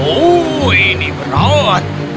oh ini berat